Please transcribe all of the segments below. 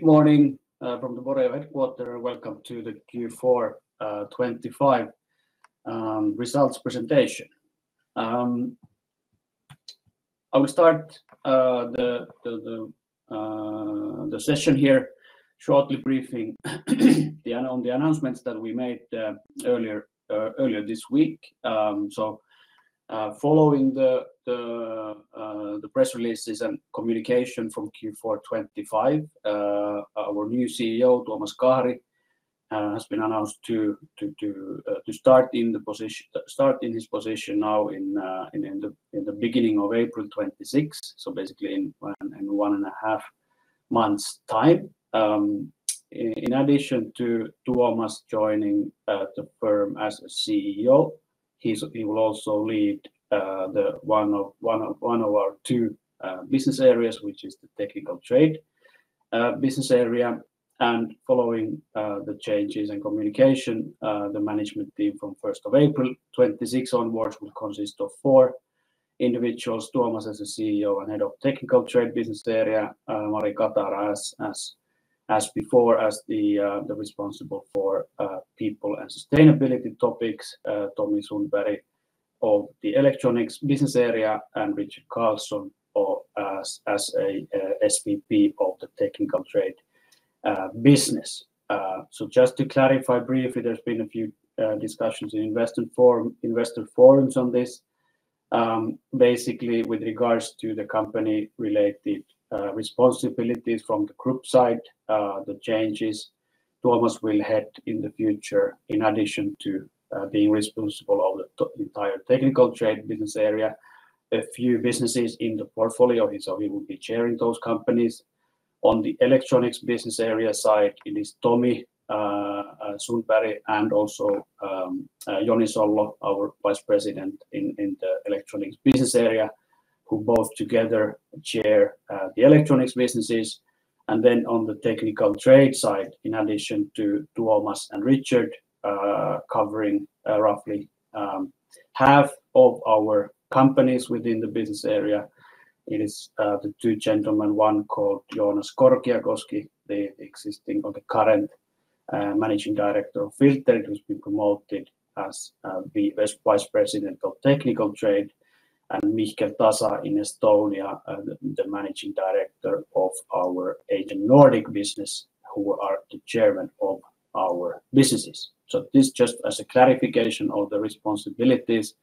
Good morning, from the Boreo headquarters, and welcome to the Q4 2025 Results Presentation. I will start the session here shortly briefing on the announcements that we made earlier this week. So, following the press releases and communication from Q4 2025, our new CEO, Tuomas Kahri, has been announced to start in his position now in the beginning of April 2026, so basically in one and a half months' time. In addition to Tuomas joining the firm as a CEO, he will also lead one of our two business areas, which is the Technical Trade Business Area. Following the changes in communication, the Management Team from first of April 2026 onwards will consist of four individuals: Tuomas as the CEO and Head of Technical Trade Business Area, Mari Katara as before, as the responsible for people and sustainability topics, Tomi Sundberg of the Electronics Business Area, and Richard Karlsson as a SVP of the Technical Trade Business. So just to clarify briefly, there's been a few discussions in investor forums on this. Basically, with regards to the company-related responsibilities from the group side, the changes Tuomas will head in the future, in addition to being responsible of the entire Technical Trade Business Area, a few businesses in the portfolio, and so he will be chairing those companies. On the Electronics Business Area side, it is Tomi Sundberg, and also Joni Sollo, our Vice President in, in the Electronics Business Area, who both together chair the electronics businesses. And then on the Technical Trade side, in addition to Tuomas and Richard covering roughly half of our companies within the business area, it is the two gentlemen, one called Joonas Korkiakoski, the existing or the current Managing Director of Filterit, who's been promoted as the Vice President of Technical Trade, and Mihkel Tasa in Estonia, the Managing Director of our Agent Nordic business, who are the Chairman of our businesses. So this just as a clarification of the responsibilities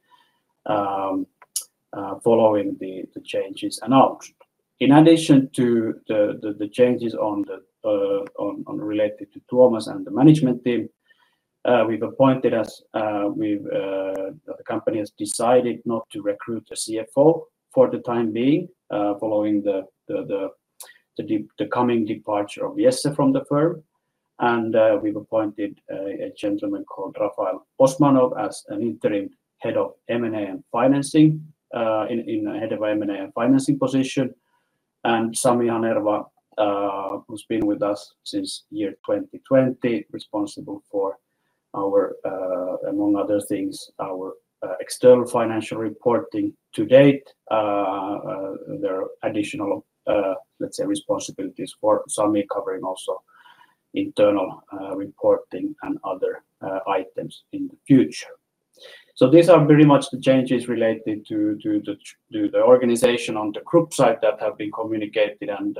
following the changes announced. In addition to the changes related to Tuomas and the management team, we've appointed... The company has decided not to recruit a CFO for the time being, following the coming departure of Jesse from the firm. We've appointed a gentleman called Rafael Osmanov as an Interim Head of M&A and Financing in the Head of M&A and Financing position. Sami Hanerva, who's been with us since year 2020, responsible for our, among other things, our external financial reporting to date. There are additional, let's say, responsibilities for Sami, covering also internal reporting and other items in the future. So these are very much the changes related to the organization on the group side that have been communicated, and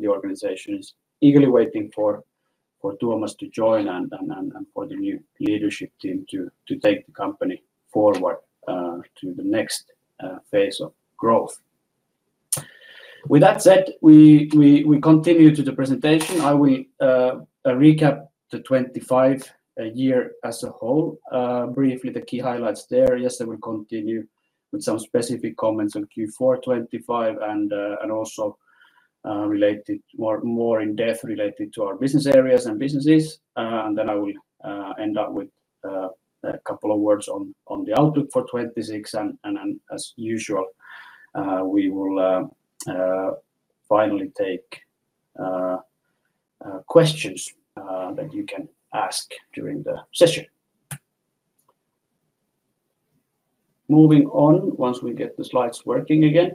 the organization is eagerly waiting for Tuomas to join and for the new leadership team to take the company forward to the next phase of growth. With that said, we continue to the presentation. I will recap the 2025 year as a whole, briefly the key highlights there. Yes, and we continue with some specific comments on Q4 2025, and also related more in-depth related to our business areas and businesses. And then I will end up with a couple of words on the outlook for 2026. And then, as usual, we will finally take questions that you can ask during the session. Moving on, once we get the slides working again.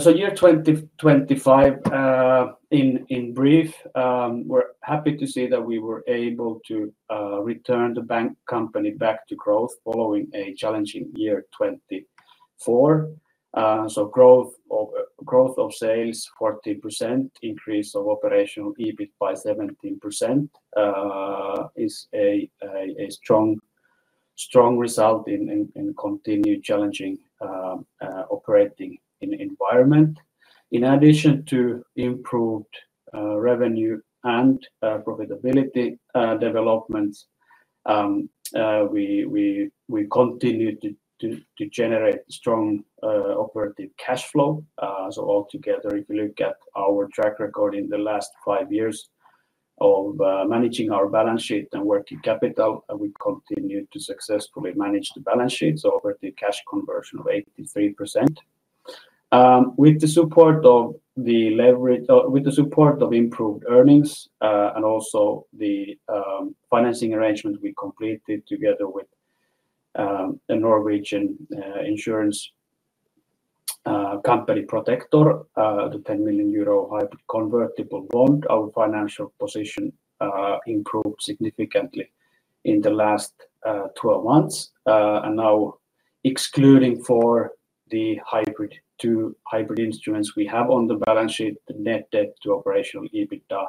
So year 2025, in brief, we're happy to say that we were able to return Boreo back to growth following a challenging year 2024. So growth of sales 40%, increase of operational EBIT by 17%, is a strong result in continued challenging operating environment. In addition to improved revenue and profitability developments, we continued to generate strong operative cash flow. So altogether, if you look at our track record in the last five years of managing our balance sheet and working capital, we continue to successfully manage the balance sheets over the cash conversion of 83%. With the support of the leverage... With the support of improved earnings, and also the financing arrangement we completed together with a Norwegian insurance company Protector, the 10 million euro hybrid convertible bond. Our financial position improved significantly in the last 12 months. And now excluding for the hybrid, two hybrid instruments we have on the balance sheet, the net debt to operational EBITDA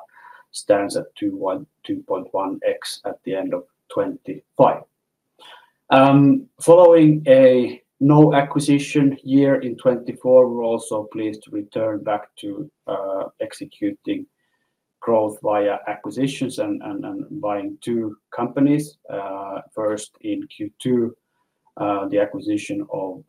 stands at 2.1x at the end of 2025. Following a no acquisition year in 2024, we're also pleased to return back to executing growth via acquisitions and buying two companies. First, in Q2, the acquisition of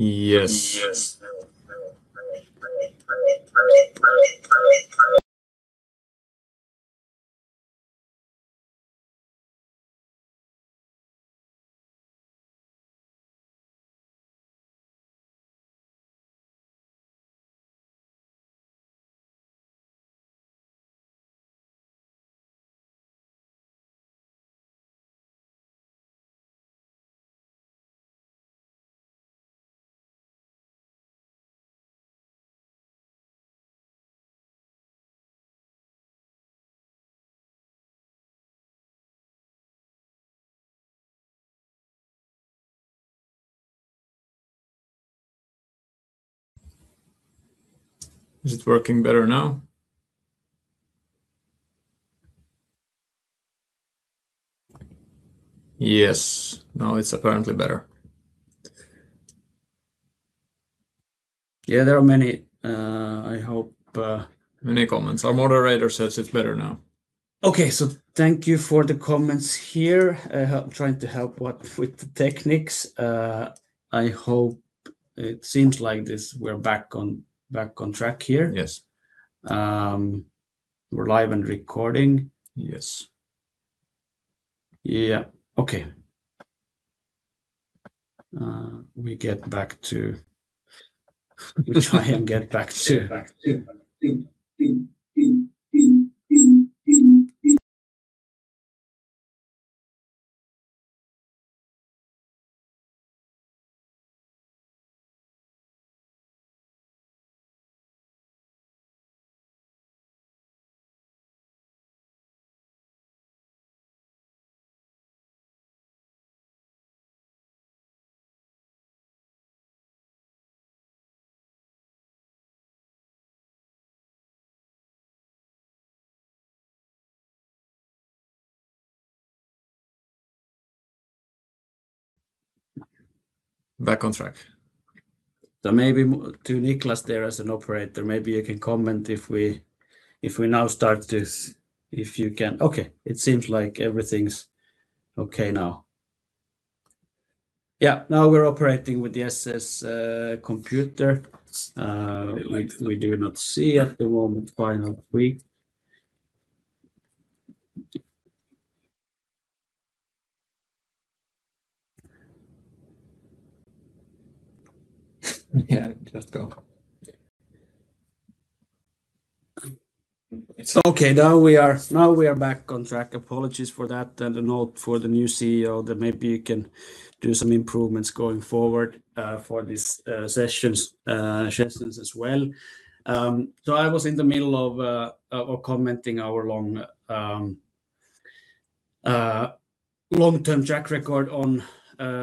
YERS. Is it working better now? Yes, now it's apparently better. Yeah, there are many... I hope, Many comments. Our moderator says it's better now. Okay. So thank you for the comments here. Trying to help. What with the techniques. I hope it seems like this, we're back on, back on track here. Yes. We're live and recording. Yes. Yeah. Okay. We try and get back to... Back to. Back on track. So maybe to Niklas there as an operator, maybe you can comment if we now start this, if you can... Okay, it seems like everything's okay now. Yeah, now we're operating with the SS computer. We do not see at the moment why not we... Yeah, just go. It's okay. Now we are back on track. Apologies for that, and a note for the new CEO that maybe you can do some improvements going forward for these sessions as well. So I was in the middle of commenting on our long-term track record on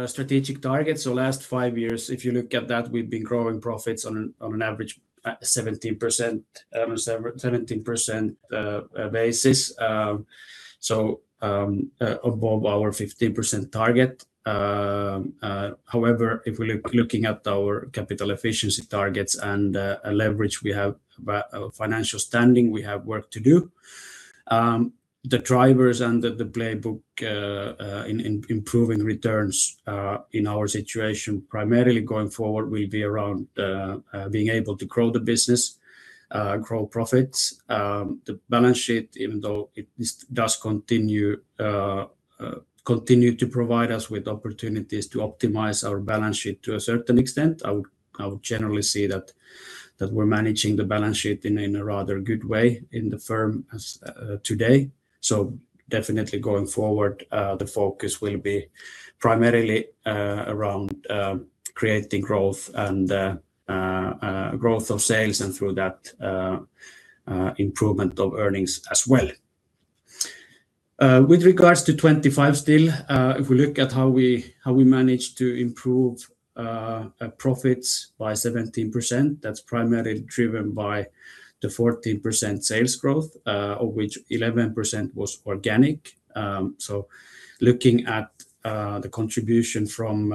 strategic targets. So last 5 years, if you look at that, we've been growing profits on an average 17% basis. So above our 15% target. However, if we look at our capital efficiency targets and leverage, we have a financial standing. We have work to do. The drivers and the playbook in improving returns in our situation, primarily going forward, will be around being able to grow the business, grow profits. The balance sheet, even though it does continue to provide us with opportunities to optimize our balance sheet to a certain extent, I would generally say that we're managing the balance sheet in a rather good way in the firm as today. Definitely going forward, the focus will be primarily around creating growth and growth of sales, and through that, improvement of earnings as well. With regards to 25 still, if we look at how we managed to improve profits by 17%, that's primarily driven by the 14% sales growth, of which 11% was organic. So looking at the contribution from...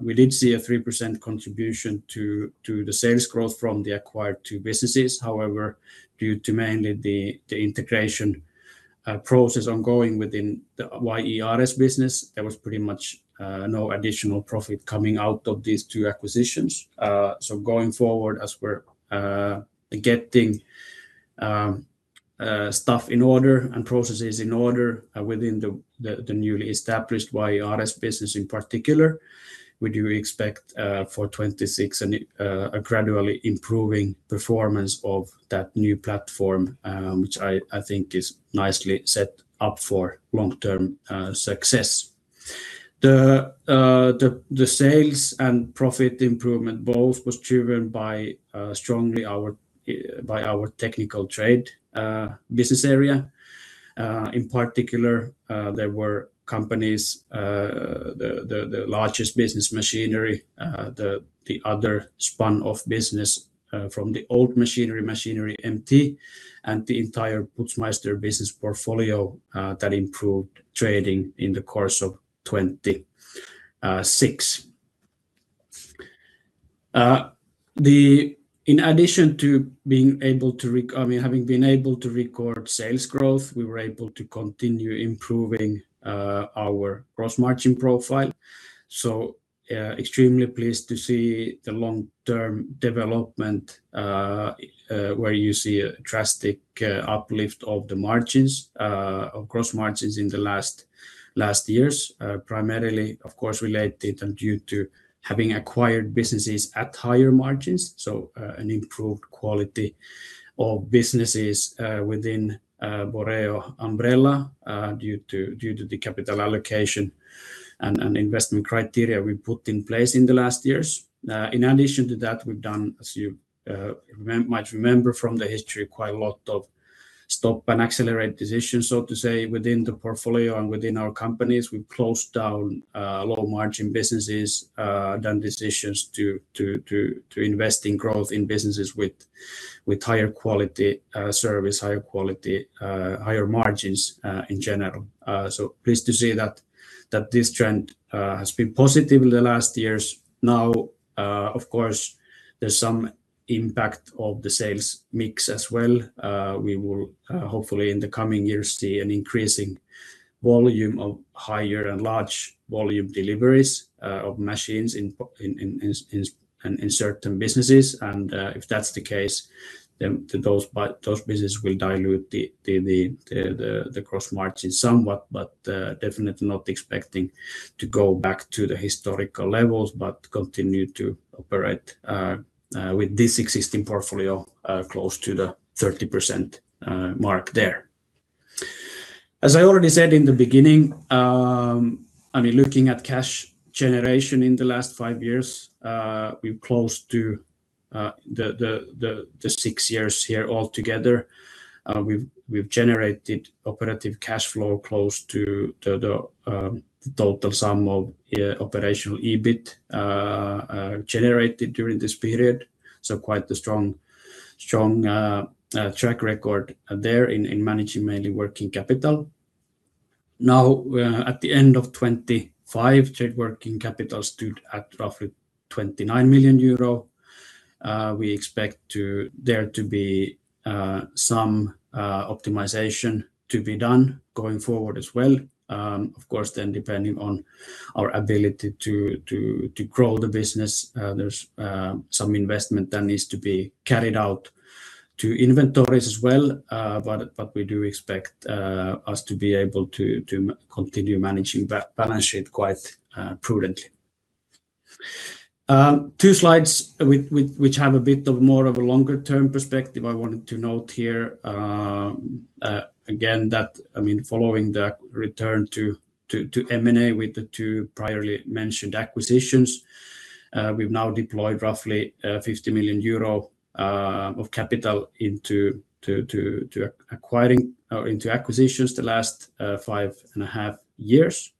We did see a 3% contribution to the sales growth from the acquired 2 businesses. However, due to mainly the integration process ongoing within the YERS business, there was pretty much no additional profit coming out of these two acquisitions. So going forward, as we're getting stuff in order and processes in order within the newly established YERS business in particular, we do expect for 2026 and a gradually improving performance of that new platform, which I think is nicely set up for long-term success. The sales and profit improvement both was driven by strongly our by our Technical Trade Business area. In particular, there were companies, the largest business machinery, the other spun-off business from the old machinery, Machinery MT, and the entire Putzmeister business portfolio that improved trading in the course of 2026. In addition to being able to, I mean, having been able to record sales growth, we were able to continue improving our gross margin profile. So, extremely pleased to see the long-term development, where you see a drastic uplift of the margins of gross margins in the last years. Primarily, of course, related and due to having acquired businesses at higher margins, so an improved quality of businesses within Boreo umbrella, due to the capital allocation and investment criteria we put in place in the last years. In addition to that, we've done, as you might remember from the history, quite a lot of stop and accelerate decisions, so to say, within the portfolio and within our companies. We closed down low-margin businesses, done decisions to invest in growth in businesses with higher quality service, higher quality higher margins in general. So pleased to see that this trend has been positive in the last years. Now, of course, there's some impact of the sales mix as well. We will hopefully, in the coming years, see an increasing volume of higher and large volume deliveries of machines in certain businesses. And if that's the case, then those businesses will dilute the gross margin somewhat, but definitely not expecting to go back to the historical levels, but continue to operate with this existing portfolio close to the 30% mark there. As I already said in the beginning, I mean, looking at cash generation in the last 5 years, we're close to the 6 years here all together. We've generated operative cash flow close to the total sum of operational EBIT generated during this period. So quite a strong track record there in managing mainly working capital. Now, at the end of 2025, net working capital stood at roughly 29 million euro. We expect there to be some optimization to be done going forward as well. Of course, then depending on our ability to grow the business, there's some investment that needs to be carried out to inventories as well. But we do expect us to be able to continue managing balance sheet quite prudently. Two slides which have a bit more of a longer-term perspective. I wanted to note here again that, I mean, following the return to M&A with the two priorly mentioned acquisitions, we've now deployed roughly 50 million euro of capital into acquiring or into acquisitions the last five and a half years.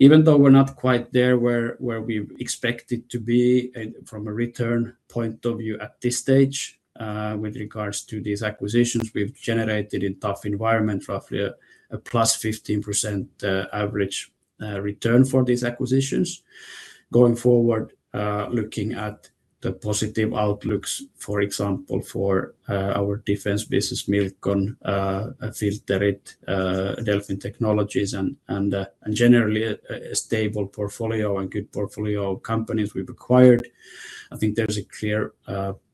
Even though we're not quite there where we expect it to be from a return point of view at this stage with regards to these acquisitions, we've generated in tough environment roughly a +15% average return for these acquisitions. Going forward, looking at the positive outlooks, for example, for our defense business, Milcon, Filterit, Delfin Technologies, and generally a stable portfolio and good portfolio of companies we've acquired. I think there's a clear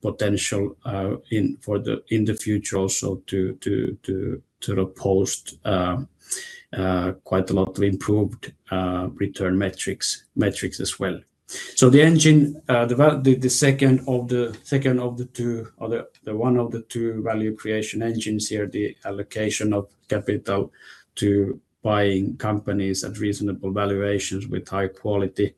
potential in the future also to post quite a lot of improved return metrics as well. So the second of the two, or the one of the two value creation engines here, the allocation of capital to buying companies at reasonable valuations with high quality.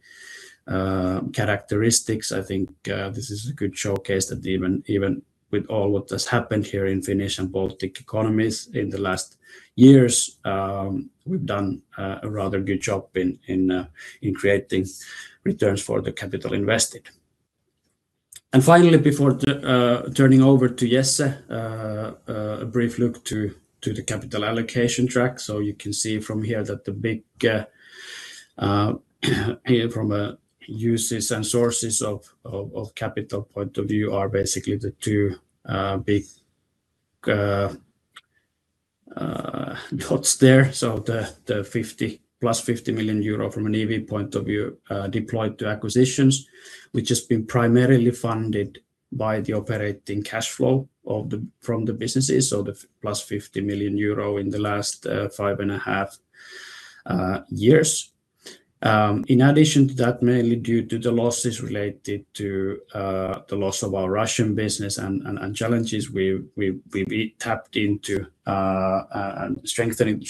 Characteristics, I think, this is a good showcase that even with all what has happened here in Finnish and Baltic economies in the last years, we've done a rather good job in creating returns for the capital invested. And finally, before turning over to Jesse, a brief look to the capital allocation track. So you can see from here that the big from a uses and sources of capital point of view are basically the two big dots there. So the 50 plus 50 million euro from an EV point of view deployed to acquisitions, which has been primarily funded by the operating cash flow of the businesses, so the + 50 million euro in the last 5.5 years. In addition to that, mainly due to the losses related to the loss of our Russian business and challenges, we tapped into and strengthened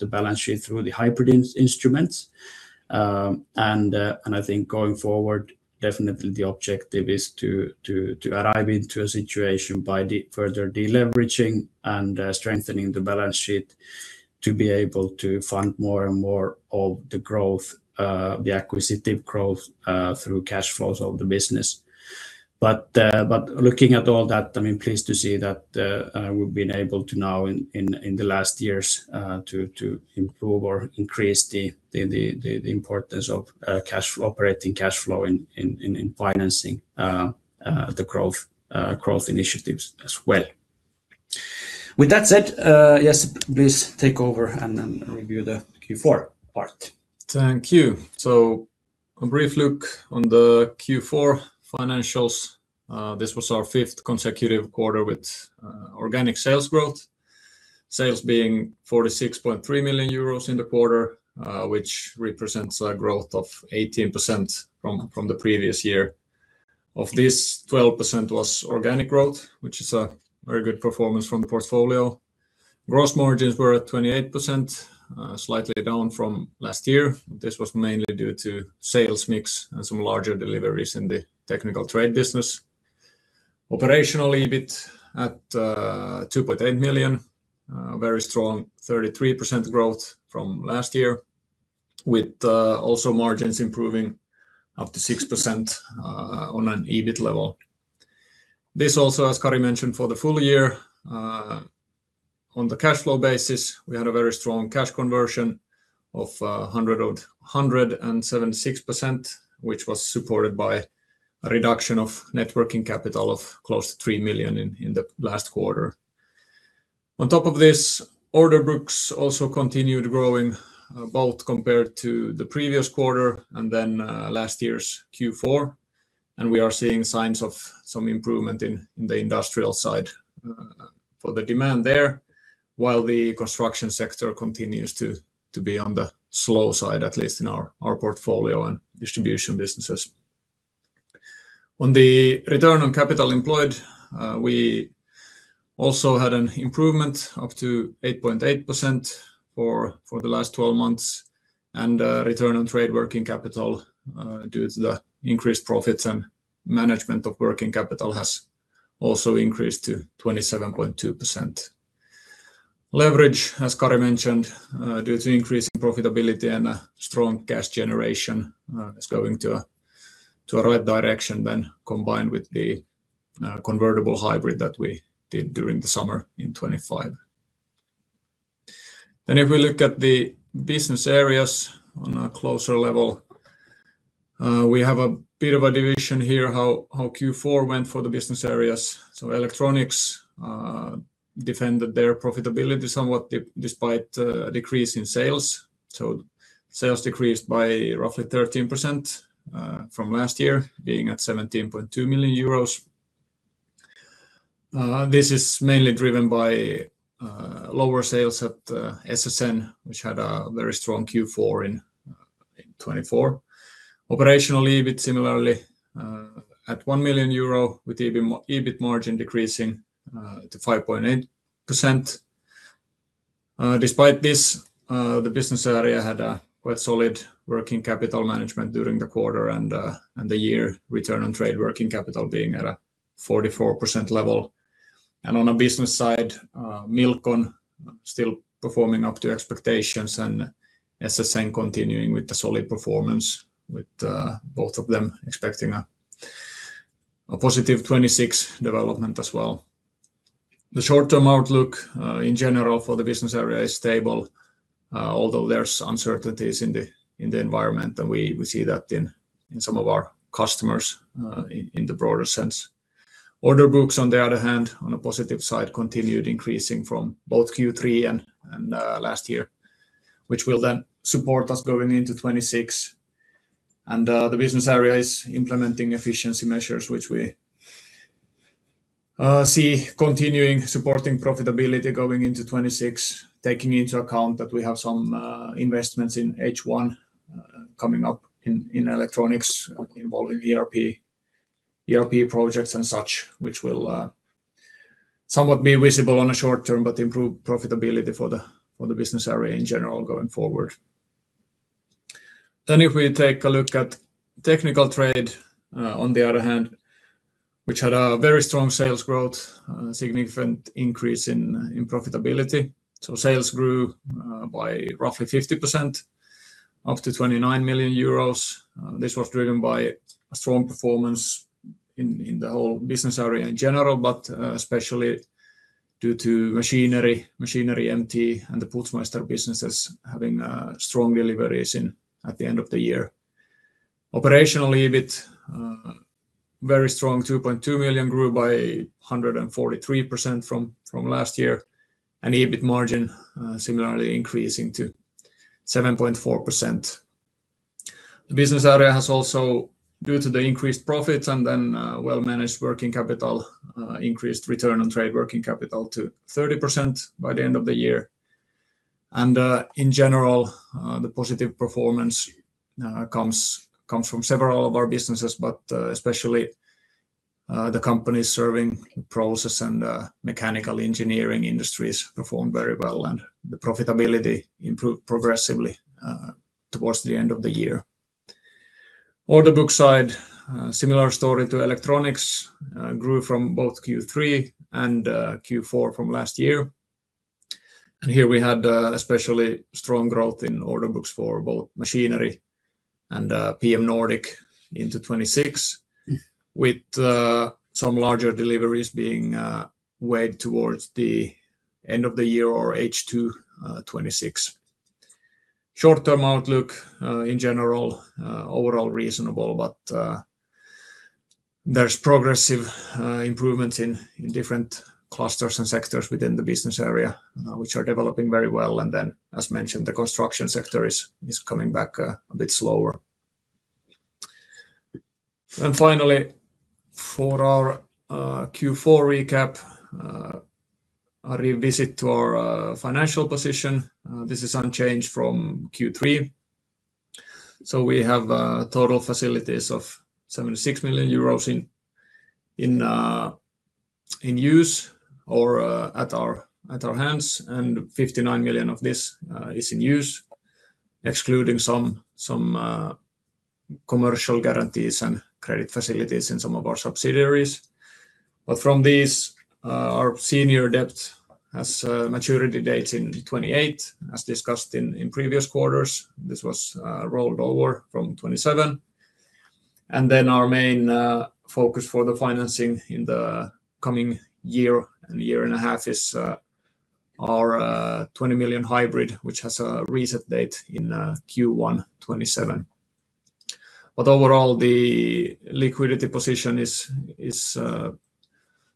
the balance sheet through the hybrid instruments. And I think going forward, definitely the objective is to arrive into a situation by further deleveraging and strengthening the balance sheet to be able to fund more and more of the growth, the acquisitive growth, through cash flows of the business. But looking at all that, I'm impressed to see that we've been able to now in the last years to improve or increase the importance of operating cash flow in financing the growth initiatives as well. With that said, yes, please take over and then review the Q4 part. Thank you. So a brief look on the Q4 financials. This was our fifth consecutive quarter with organic sales growth. Sales being 46.3 million euros in the quarter, which represents a growth of 18% from the previous year. Of this, 12% was organic growth, which is a very good performance from the portfolio. Gross margins were at 28%, slightly down from last year. This was mainly due to sales mix and some larger deliveries in the Technical Trade business. Operationally, EBIT at 2.8 million, very strong, 33% growth from last year, with also margins improving up to 6%, on an EBIT level. This also, as Kari mentioned, for the full year, on the cash flow basis, we had a very strong cash conversion of 176%, which was supported by a reduction of net working capital of close to 3 million in the last quarter. On top of this, order books also continued growing, both compared to the previous quarter and then last year's Q4, and we are seeing signs of some improvement in the industrial side for the demand there, while the construction sector continues to be on the slow side, at least in our portfolio and distribution businesses. On the return on capital employed, we also had an improvement up to 8.8% for the last 12 months, and return on trade working capital, due to the increased profits and management of working capital, has also increased to 27.2%. Leverage, as Kari mentioned, due to increasing profitability and a strong cash generation, is going to a right direction then combined with the convertible hybrid that we did during the summer in 2025. Then if we look at the business areas on a closer level, we have a bit of a division here, how Q4 went for the business areas. So Electronics defended their profitability somewhat despite a decrease in sales. So sales decreased by roughly 13%, from last year, being at 17.2 million euros. This is mainly driven by lower sales at SSN, which had a very strong Q4 in 2024. Operationally, EBIT similarly at 1 million euro, with the EBIT margin decreasing to 5.8%. Despite this, the business area had a quite solid working capital management during the quarter and the year return on trade working capital being at a 44% level. And on a business side, Milcon still performing up to expectations, and SSN continuing with the solid performance, with both of them expecting a positive 2026 development as well. The short-term outlook in general for the business area is stable, although there's uncertainties in the environment, and we see that in some of our customers in the broader sense. Order books, on the other hand, on a positive side, continued increasing from both Q3 and last year, which will then support us going into 2026. The business area is implementing efficiency measures, which we see continuing supporting profitability going into 2026, taking into account that we have some investments in H1 coming up in electronics involving ERP... ERP projects and such, which will somewhat be visible on a short term, but improve profitability for the business area in general going forward. Then if we take a look at Technical Trade, on the other hand, which had a very strong sales growth, significant increase in profitability. So sales grew by roughly 50% up to 29 million euros. This was driven by a strong performance in the whole business area in general, but especially due to Machinery, Machinery MT, and the Putzmeister businesses having strong deliveries in at the end of the year. Operationally, EBIT very strong, 2.2 million, grew by 143% from last year, and EBIT margin similarly increasing to 7.4%. The business area has also, due to the increased profits and then well-managed working capital, increased return on trade working capital to 30% by the end of the year. In general, the positive performance comes from several of our businesses, but especially the companies serving process and mechanical engineering industries performed very well, and the profitability improved progressively towards the end of the year. Order book side, similar story to electronics, grew from both Q3 and Q4 from last year. Here we had especially strong growth in order books for both machinery and PM Nordic into 2026, with some larger deliveries being weighed towards the end of the year or H2 2026. Short-term outlook, in general, overall reasonable, but there's progressive improvement in different clusters and sectors within the business area, which are developing very well. As mentioned, the construction sector is coming back a bit slower. Finally, for our Q4 recap, a revisit to our financial position. This is unchanged from Q3. So we have total facilities of 76 million euros in use or at our hands, and 59 million of this is in use, excluding some commercial guarantees and credit facilities in some of our subsidiaries. But from these, our senior debt has maturity dates in 2028. As discussed in previous quarters, this was rolled over from 2027. And then our main focus for the financing in the coming year and year and a half is our 20 million hybrid, which has a reset date in Q1 2027. But overall, the liquidity position is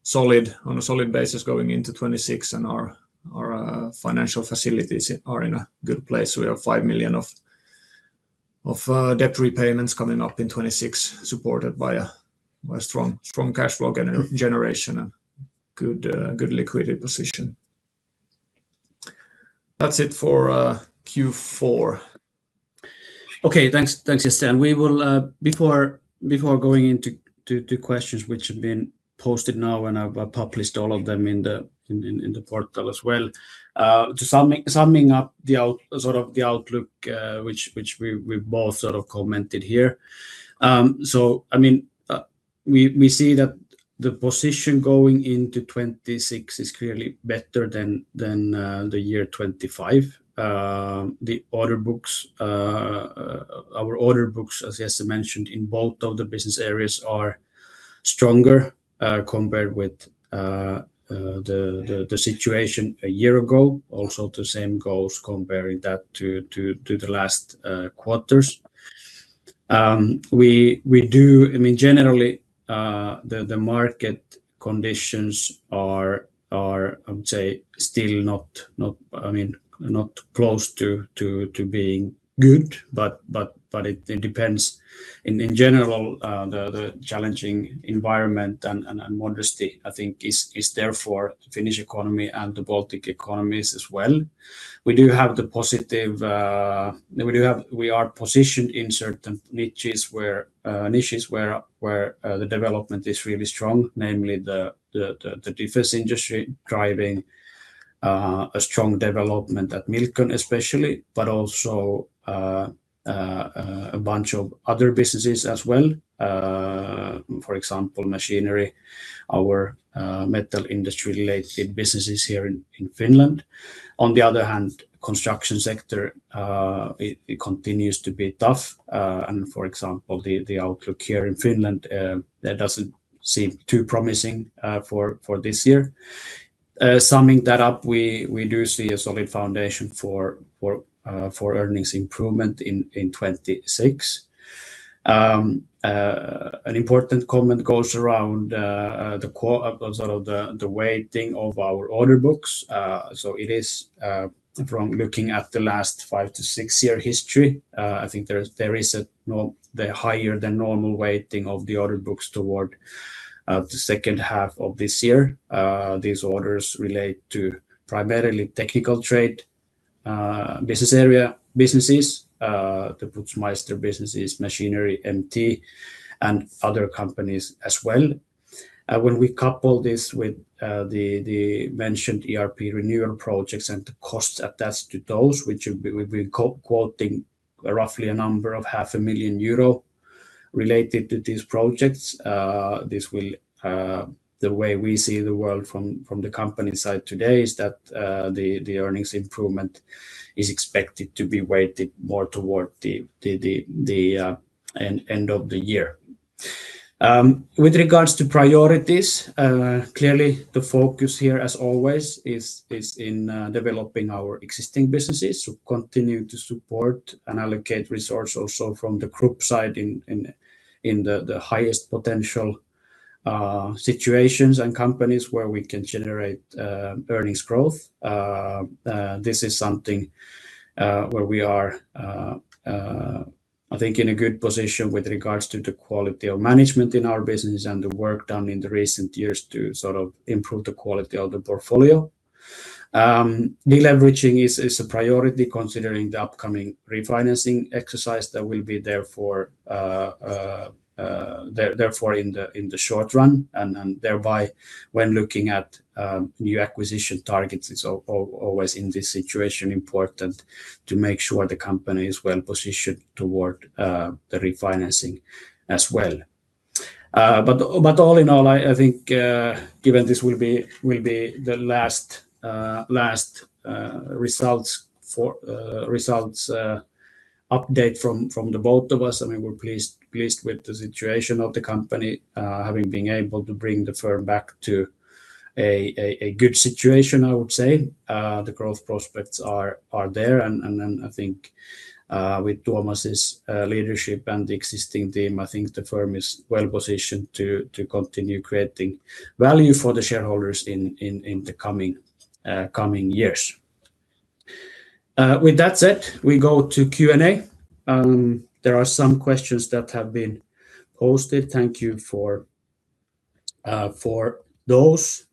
solid, on a solid basis going into 2026, and our financial facilities are in a good place. We have 5 million of debt repayments coming up in 2026, supported by a strong cash flow generation and good liquidity position. That's it for Q4. Okay, thanks, Jesse. And we will, before going into questions which have been posted now, and I've published all of them in the portal as well. To sum up the outlook, which we both sort of commented here. So I mean, we see that the position going into 2026 is clearly better than the year 2025. The order books, our order books, as Jesse mentioned, in both of the business areas, are stronger, compared with the situation a year ago. Also, the same goes comparing that to the last quarters. We do... I mean, generally, the market conditions are, I would say, still not, I mean, not close to being good, but it depends. In general, the challenging environment and modesty, I think, is there for the Finnish economy and the Baltic economies as well. We do have the positive, we do have— We are positioned in certain niches where the development is really strong, namely the defense industry driving a strong development at Milcon especially, but also a bunch of other businesses as well. For example, machinery, our metal industry-related businesses here in Finland. On the other hand, construction sector, it continues to be tough. And for example, the outlook here in Finland that doesn't seem too promising for this year. Summing that up, we do see a solid foundation for earnings improvement in 2026. An important comment goes around the weighting of our order books. So it is from looking at the last 5-6-year history, I think there is a higher than normal weighting of the order books toward the second half of this year. These orders relate to primarily Technical Trade? ... business area businesses, the Putzmeister businesses, machinery, MT, and other companies as well. When we couple this with the mentioned ERP renewal projects and the costs attached to those, which we're quoting roughly 500,000 euro related to these projects, this will. The way we see the world from the company side today is that the earnings improvement is expected to be weighted more toward the end of the year. With regards to priorities, clearly, the focus here, as always, is in developing our existing businesses to continue to support and allocate resource also from the group side in the highest potential situations and companies where we can generate earnings growth. This is something where we are, I think in a good position with regards to the quality of management in our business and the work done in the recent years to sort of improve the quality of the portfolio. De-leveraging is a priority, considering the upcoming refinancing exercise that will be there for therefore, in the short run, and thereby, when looking at new acquisition targets, it's always in this situation important to make sure the company is well-positioned toward the refinancing as well. But all in all, I think, given this will be the last results update from both of us, I mean, we're pleased with the situation of the company, having been able to bring the firm back to a good situation, I would say. The growth prospects are there, and then I think, with Tuomas' leadership and the existing team, I think the firm is well-positioned to continue creating value for the shareholders in the coming years. With that said, we go to Q&A. There are some questions that have been posted. Thank you for those.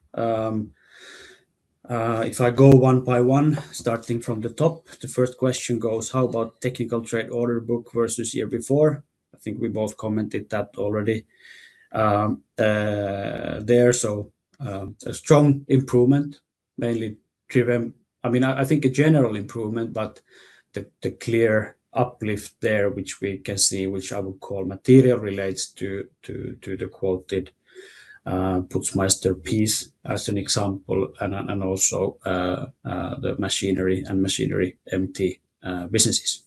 If I go one by one, starting from the top, the first question goes: "How about Technical Trade order book versus year before?" I think we both commented that already. There, so, a strong improvement, mainly driven... I mean, I think a general improvement, but the clear uplift there, which we can see, which I would call material, relates to the quoted Putzmeister piece, as an example, and also the machinery and machinery MT businesses.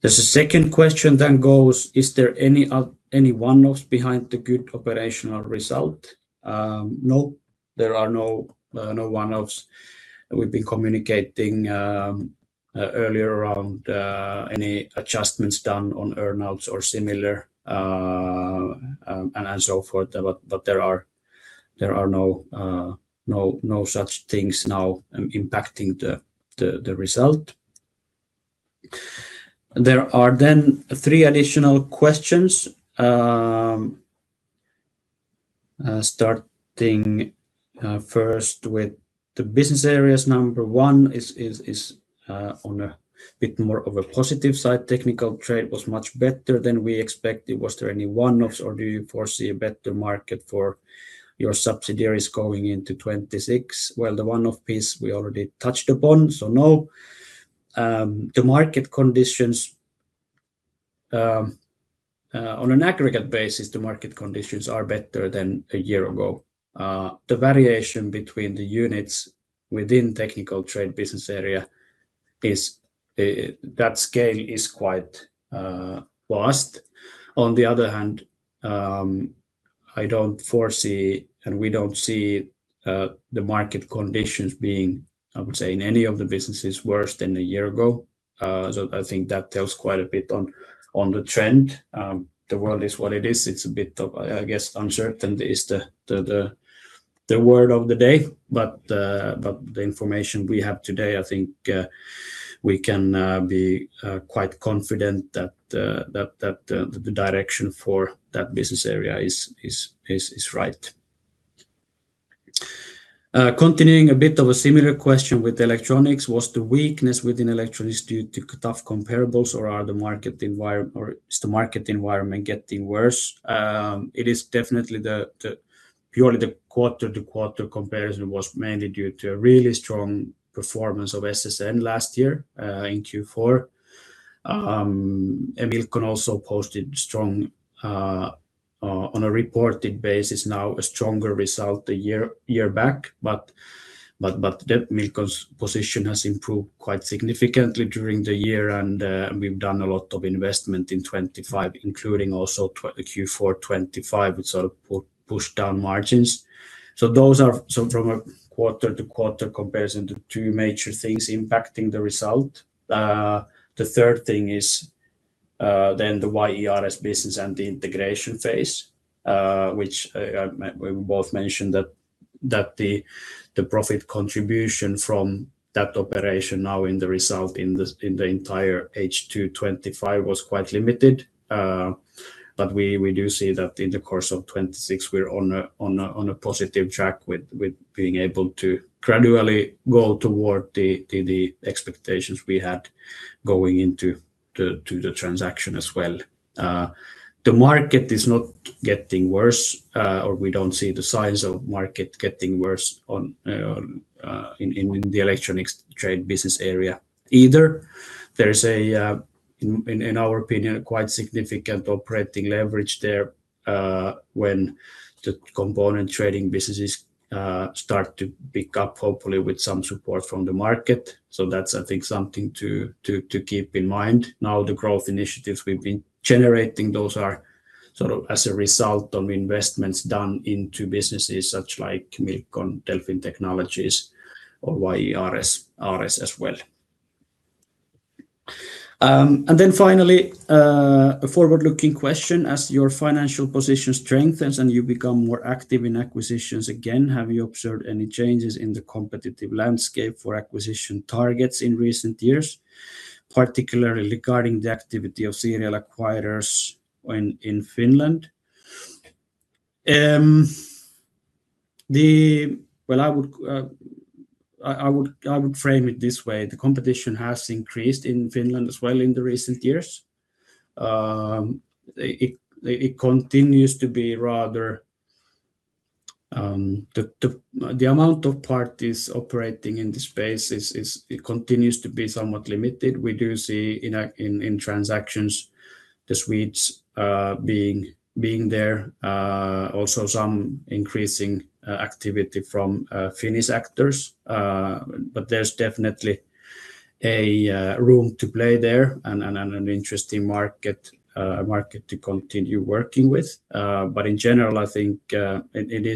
There's a second question that goes: "Is there any one-offs behind the good operational result?" No, there are no one-offs. We've been communicating earlier around any adjustments done on earnouts or similar, and so forth, but there are no such things now impacting the result. There are then three additional questions, starting first with the business areas. Number one is on a bit more of a positive side. "Technical Trade was much better than we expected. Was there any one-offs, or do you foresee a better market for your subsidiaries going into 2026?" Well, the one-off piece we already touched upon, so no. The market conditions on an aggregate basis, the market conditions are better than a year ago. The variation between the units within Technical Trade Business Area is, that scale is quite vast. On the other hand, I don't foresee, and we don't see, the market conditions being, I would say, in any of the businesses worse than a year ago. So I think that tells quite a bit on the trend. The world is what it is. It's a bit of, I guess, uncertainty is the word of the day, but the information we have today, I think, we can be quite confident that the direction for that business area is right. Continuing a bit of a similar question with electronics: "Was the weakness within electronics due to tough comparables, or are the market environment- or is the market environment getting worse?" It is definitely purely the quarter-to-quarter comparison was mainly due to a really strong performance of SSN last year in Q4. Milcon also posted strong on a reported basis now, a stronger result a year back, but that Milcon's position has improved quite significantly during the year, and we've done a lot of investment in 2025, including also the Q4 2025, which sort of pushed down margins. So those are... So from a quarter-to-quarter comparison, the two major things impacting the result. The third thing is then the YERS business and the integration phase, which we both mentioned that-... that the profit contribution from that operation now in the result in the entire H2 2025 was quite limited. But we do see that in the course of 2026, we're on a positive track with being able to gradually go toward the expectations we had going into the transaction as well. The market is not getting worse, or we don't see the signs of market getting worse in the electronics trade business area either. There's, in our opinion, quite significant operating leverage there, when the component trading businesses start to pick up, hopefully with some support from the market. So that's, I think, something to keep in mind. Now, the growth initiatives we've been generating, those are sort of as a result of investments done into businesses such like Milcon, Delfin Technologies or YE, RS as well. And then finally, a forward-looking question: "As your financial position strengthens and you become more active in acquisitions again, have you observed any changes in the competitive landscape for acquisition targets in recent years, particularly regarding the activity of serial acquirers when in Finland?" The... Well, I would frame it this way: the competition has increased in Finland as well in the recent years. It continues to be rather, the amount of parties operating in this space is, it continues to be somewhat limited. We do see in transactions, the Swedes being there, also some increasing activity from Finnish actors. But there's definitely a room to play there and an interesting market to continue working with. But in general, I think it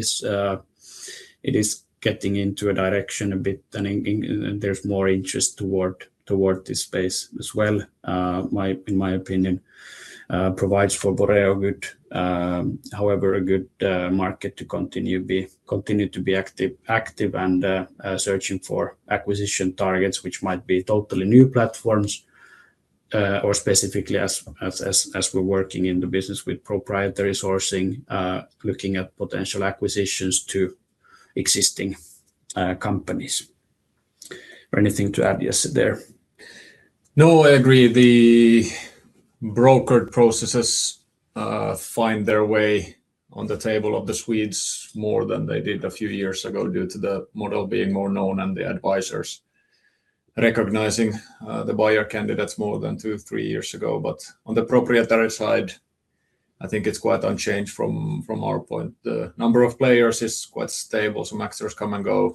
is getting into a direction a bit, and there's more interest toward this space as well. In my opinion, it provides for Boreo good, however, a good market to continue to be active and searching for acquisition targets, which might be totally new platforms, or specifically as we're working in the business with proprietary sourcing, looking at potential acquisitions to existing companies. Or anything to add, Jesse, there? No, I agree. The brokered processes find their way on the table of the Swedes more than they did a few years ago, due to the model being more known and the advisors recognizing the buyer candidates more than two, three years ago. But on the proprietary side, I think it's quite unchanged from our point. The number of players is quite stable. Some actors come and go.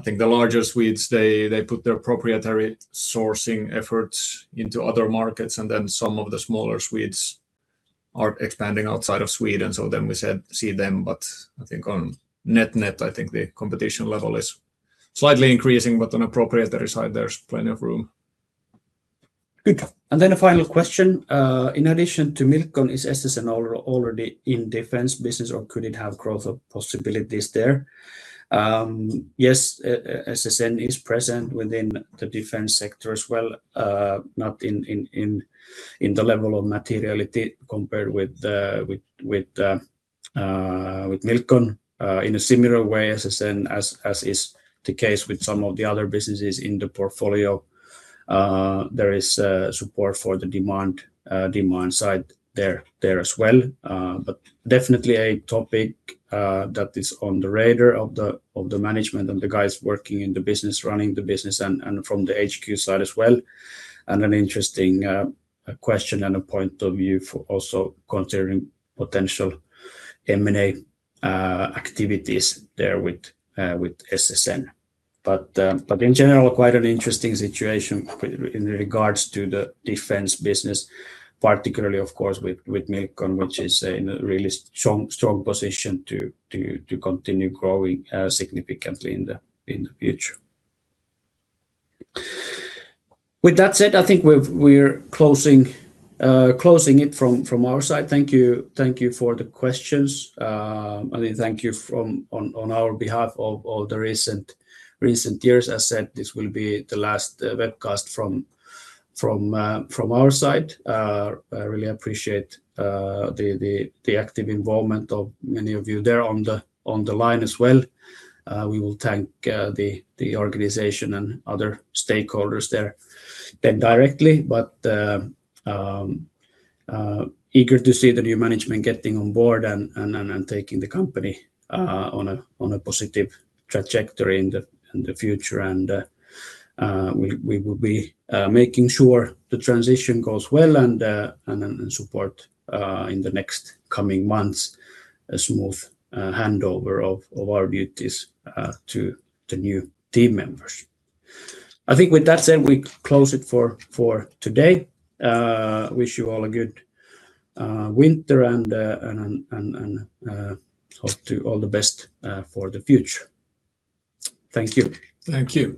I think the larger Swedes, they put their proprietary sourcing efforts into other markets, and then some of the smaller Swedes are expanding outside of Sweden, so then we see them. But I think on net-net, I think the competition level is slightly increasing, but on a proprietary side, there's plenty of room. Good. And then a final question. "In addition to Milcon, is SSN already in defense business, or could it have growth or possibilities there?" Yes, SSN is present within the defense sector as well. Not in the level of materiality compared with Milcon. In a similar way, SSN, as is the case with some of the other businesses in the portfolio, there is support for the demand side there as well. But definitely a topic that is on the radar of the management and the guys working in the business, running the business and from the HQ side as well. And an interesting question and a point of view for also considering potential M&A activities there with SSN. But in general, quite an interesting situation in regards to the defense business, particularly, of course, with Milcon, which is in a really strong, strong position to continue growing significantly in the future. With that said, I think we're closing it from our side. Thank you. Thank you for the questions. And thank you, on our behalf, for the recent years. I said this will be the last webcast from our side. I really appreciate the active involvement of many of you there on the line as well. We will thank the organization and other stakeholders there directly, but eager to see the new management getting on board and taking the company on a positive trajectory in the future. We will be making sure the transition goes well and support in the next coming months a smooth handover of our duties to the new team members. I think with that said, we close it for today. Wish you all a good winter and hope to all the best for the future. Thank you. Thank you.